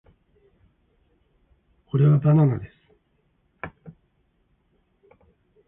これはバナナです